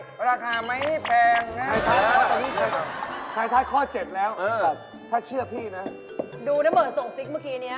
ตรงมันเอาอาการที่ตรงใกล้เพิ่ม